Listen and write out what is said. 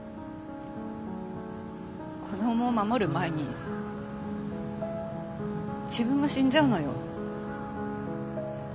子供を守る前に自分が死んじゃうのよ。